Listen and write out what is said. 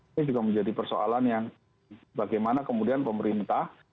ini juga menjadi persoalan yang bagaimana kemudian pemerintah